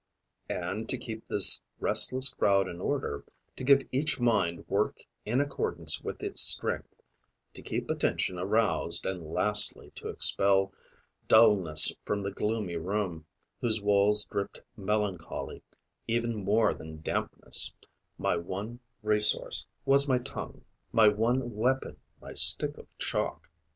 And to keep this restless crowd in order, to give each mind work in accordance with its strength, to keep attention aroused and lastly to expel dullness from the gloomy room, whose walls dripped melancholy even more than dampness, my one resource was my tongue, my one weapon my stick of chalk.